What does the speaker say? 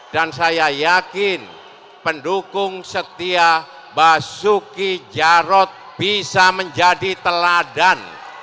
dan saya yakin pendukung setia basuki jarod bisa menjadi teladan